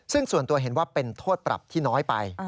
ซึ่งส่วนตัวเห็นว่าเป็นโทษปรับที่น้อยไป